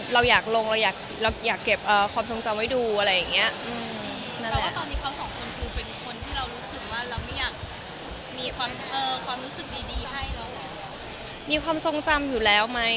เราอยากลงเราอยากเก็บความทรงจำไว้ดูอะไรอย่างนี้